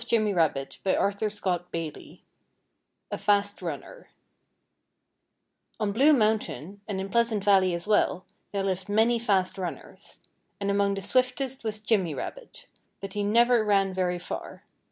[Illustration: 7 A Fast Runner] 7 A Fast Runner On Blue Mountain, and in Pleasant Valley as well, there lived many fast runners. And among the swiftest was Jimmy Rabbit. But he never ran very far.